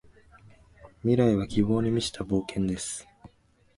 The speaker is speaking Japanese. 未来は希望に満ちた冒険です。